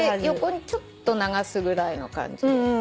横にちょっと流すぐらいの感じ。